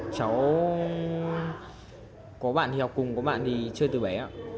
cháu có bạn thì học cùng có bạn thì chơi từ bé ạ